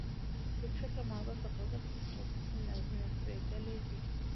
بې فکره ماغزه د قدرت پر چوکۍ نڅېدلي دي.